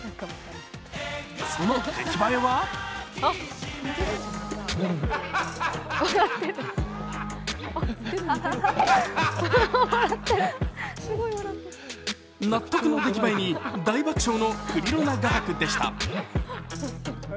その出来栄えは？納得の出来栄えに大爆笑のクリロナ画伯でした。